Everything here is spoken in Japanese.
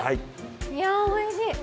いや、おいしい！